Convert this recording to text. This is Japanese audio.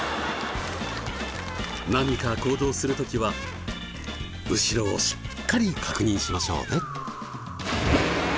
何か行動する時は後ろをしっかり確認しましょうね。